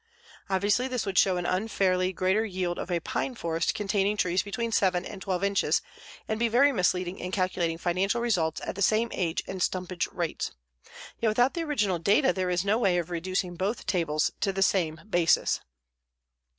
Obviously this would show an unfairly greater yield of a pine forest containing trees between 7 and 12 inches and be very misleading in calculating financial results at the same age and stumpage rates; yet without the original data there is no way of reducing both tables to the same basis.